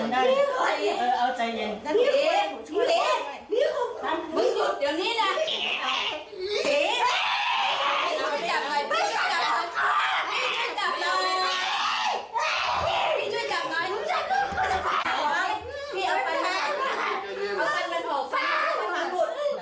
ไคอภัณฑ์มันกำลาด